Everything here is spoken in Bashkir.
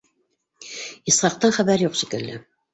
— Исхаҡтан хәбәр юҡ шикелле?